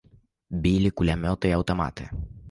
Білі кулямёты і аўтаматы.